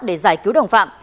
để giải cứu đồng phạm